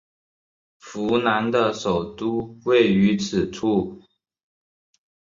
扶南的首都位于此处。